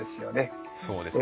そうですね。